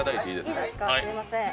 すみません。